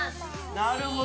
なるほど。